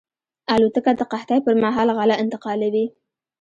الوتکه د قحطۍ پر مهال غله انتقالوي.